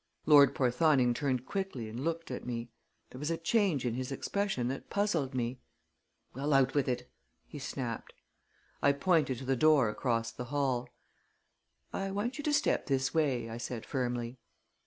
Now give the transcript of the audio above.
Lord Porthoning turned quickly and looked at me. There was a change in his expression that puzzled me. "Well, out with it!" he snapped. I pointed to the door across the hall. "I want you to step this way," I said firmly.